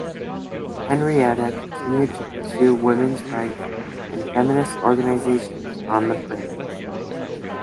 Henrietta continued to pursue women's rights and feminist organizations on the prairies.